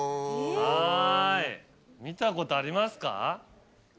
はい見たことありますか？